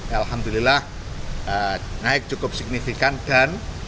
alhamdulillah naik cukup signifikan dan